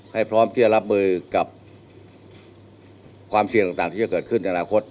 พร้อมที่จะรับมือกับความเสี่ยงต่างที่จะเกิดขึ้นในอนาคต